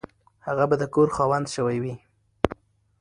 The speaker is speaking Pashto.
هغه به د کور خاوند شوی وي.